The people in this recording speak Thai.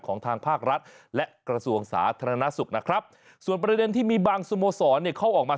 ทางภาครัฐและกระทรวงสาธารณสุขนะครับส่วนประเด็นที่มีบางสโมสรเนี่ยเขาออกมา